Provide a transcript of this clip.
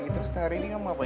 jadi kamu gak mau nyamperin